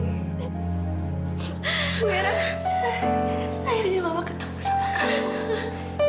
buera akhirnya mama ketemu sama kamu